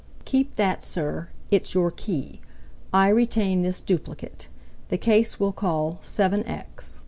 "Keep that, sir; it's your key. I retain this duplicate. The case we'll call 7x.